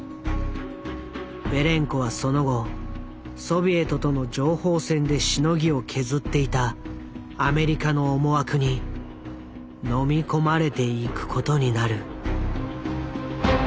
ベレンコはその後ソビエトとの情報戦でしのぎを削っていたアメリカの思惑にのみ込まれていくことになる。